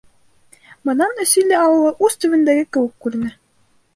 Бынан Өсөйлө ауылы ус төбөндәге кеүек күренә.